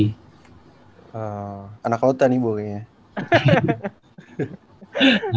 eee anak kota nih bu kayaknya